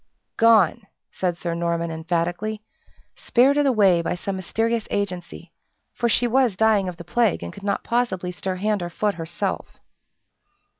"Gone!" said Sir Norman emphatically, "spirited away by some mysterious agency; for she was dying of the plague, and could not possibly stir hand or foot herself."